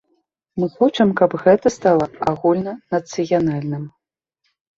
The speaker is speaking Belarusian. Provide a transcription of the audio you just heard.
Мы хочам, каб гэта стала агульнанацыянальным.